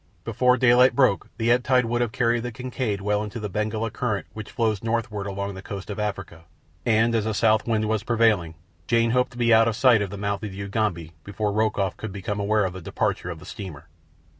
Before daylight broke the ebb tide would have carried the Kincaid well into the Benguela current which flows northward along the coast of Africa, and, as a south wind was prevailing, Jane hoped to be out of sight of the mouth of the Ugambi before Rokoff could become aware of the departure of the steamer.